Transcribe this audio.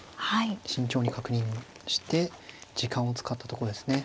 慎重に確認をして時間を使ったとこですね。